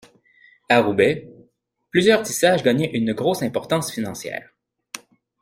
A Roubaix, plusieurs tissages gagnaient une grosse importance financière.